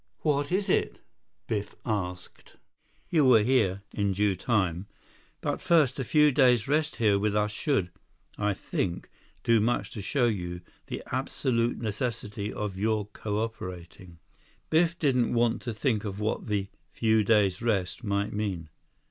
"What is it?" Biff asked. 150 "You will hear, in due time. But first, a few days rest here with us should, I think, do much to show you the absolute necessity of your cooperating." Biff didn't want to think of what the "few days rest" might mean.